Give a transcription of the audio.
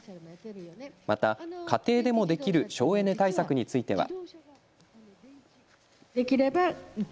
また、家庭でもできる省エネ対策については。